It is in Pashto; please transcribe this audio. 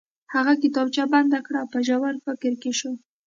هغه کتابچه بنده کړه او په ژور فکر کې شو